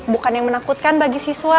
bukan yang menakutkan bagi siswa